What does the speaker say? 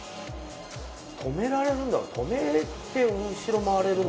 止められるんだ。